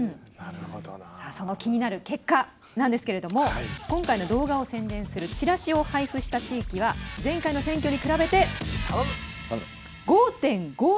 さあその気になる結果なんですけれども今回の動画を宣伝するチラシを配布した地域は前回の選挙に比べて。